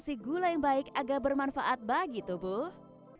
mengkonsumsi gula yang baik agar bermanfaat bagi tubuh